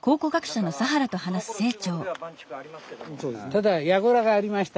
ただやぐらがありました